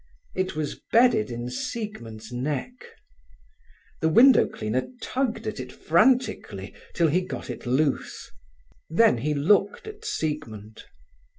It was bedded in Siegmund's neck. The window cleaner tugged at it frantically, till he got it loose. Then he looked at Siegmund.